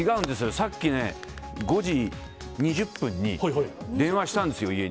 さっきね、５時２０分に電話したんですよ、家に。